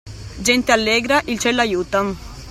Gente allegra, il ciel l'aiuta.